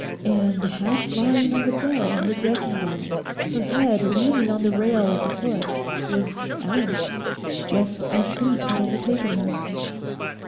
And half lying on the bed in her dressing gown, her head leaning on the rail at the foot, was Alice, just as sleep had overtaken her.